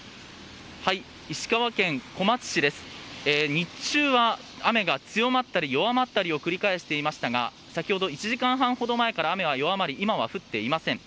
日中は雨が強まったり弱まったりを繰り返していましたが先ほど１時間半ほど前から雨は弱まり今は降っていません。